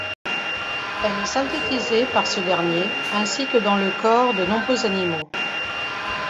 Elle est synthétisée par ce dernier ainsi que dans le corps de nombreux animaux.